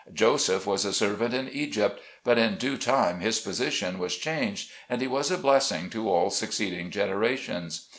Joseph was a servant in Egypt, but in due time his position was changed and he was a blessing to all succeeding generations.